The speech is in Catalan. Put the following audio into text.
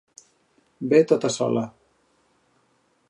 Ve tota sola.